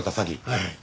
はい。